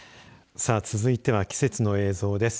さあ、続いては季節の映像です。